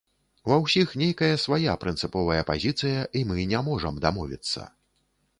Ва ўсіх нейкая свая прынцыповая пазіцыя, і мы не можам дамовіцца.